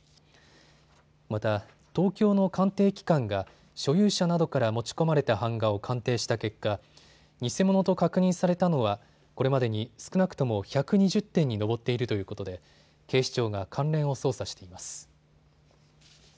また、東京の鑑定機関が所有者などから持ち込まれた版画を鑑定した結果、偽物と確認されたのはこれまでに少なくとも１２０点に上っているということで警視庁が関連を捜査しています。